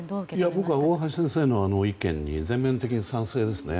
僕は大橋先生の提言に全面的に賛成ですね。